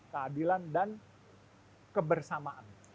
keadilan dan kebersamaan